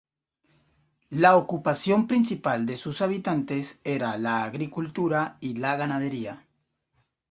La ocupación principal de sus habitantes era la agricultura y la ganadería.